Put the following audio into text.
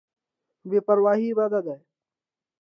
بې پرواهي بد دی.